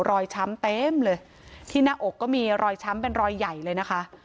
ช้ำเต็มเลยที่หน้าอกก็มีรอยช้ำเป็นรอยใหญ่เลยนะคะ